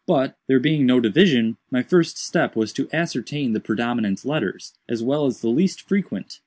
But, there being no division, my first step was to ascertain the predominant letters, as well as the least frequent.